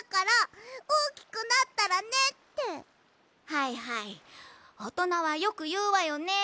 はいはいおとなはよくいうわよね。